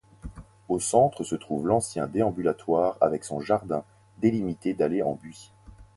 Au centre se trouve l'ancien déambulatoire avec son jardin délimité d'allées en buis.